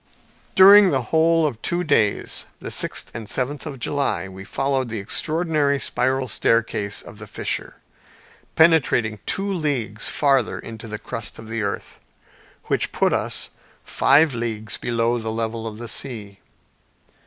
During the whole of two days, the sixth and seventh of July, we followed the extraordinary spiral staircase of the fissure, penetrating two leagues farther into the crust of the earth, which put us five leagues below the level of the sea.